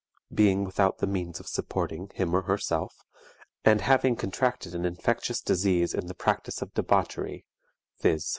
being without the means of supporting self, and having contracted an INFECTIOUS DISEASE IN THE PRACTICE OF DEBAUCHERY, viz.